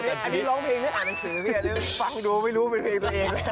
อันนี้ร้องเพลงอ่านหนังสือฟังดูไม่รู้เป็นเพลงตัวเอง